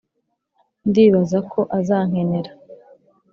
ndibaza ko azankenera